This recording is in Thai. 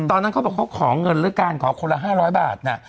ตอนนั้นเขาบอกว่าเขาขอเงินแล้วกันขอคนละ๕๐๐บาทน่ะ